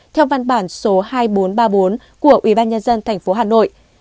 theo văn bản số hai nghìn bốn trăm ba mươi bốn của ủy ban nhân dân thành phố hà nội